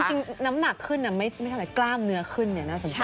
จริงน้ำหนักขึ้นไม่เท่าไหร่กล้ามเนื้อขึ้นน่าสนใจ